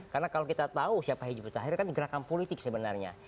karena kalau kita tahu siapa hdi kan gerakan politik sebenarnya